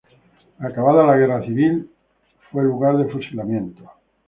Acabada la Guerra Civil fue lugar de fusilamientos.